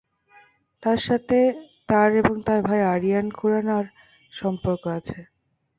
তার সাথে তার এবং তাঁর ভাই আরিয়ান খুরানা-র সম্পর্ক আছে।